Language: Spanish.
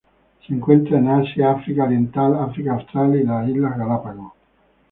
Se encuentra en Asia, África oriental, África austral y las islas Galápagos.